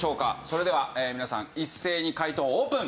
それでは皆さん一斉に解答をオープン！